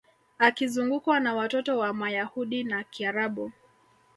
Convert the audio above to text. Akizungukwa na watoto wa Mayahudi na Kiarabu